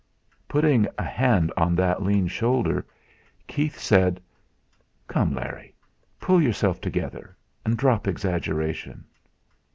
Putting a hand on that lean shoulder, Keith said: "Come, Larry! Pull yourself together, and drop exaggeration."